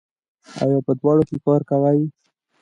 ایا په دوړو کې کار کوئ؟